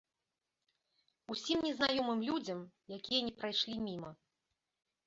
Усім незнаёмым людзям, якія не прайшлі міма.